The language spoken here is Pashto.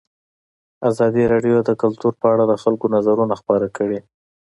ازادي راډیو د کلتور په اړه د خلکو نظرونه خپاره کړي.